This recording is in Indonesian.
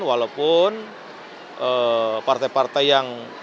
walaupun partai partai yang sering berkata